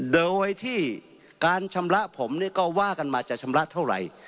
โดยที่การชำระผมเนี่ยก็ว่ากันมาจะชำระเท่าไหร่